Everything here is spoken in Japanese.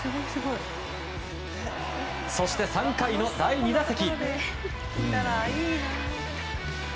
そして、３回の第２打席。